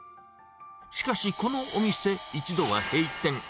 しかしこのお店、一度は閉店。